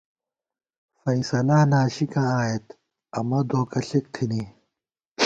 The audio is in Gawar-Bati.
فیصلا ناشِکاں آئېت ، امہ دوکہ ݪِک تھنی